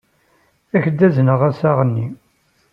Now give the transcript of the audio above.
Ad ak-d-azneɣ assaɣ-nni.